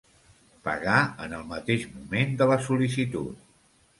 Pagar en el mateix moment de la sol·licitud.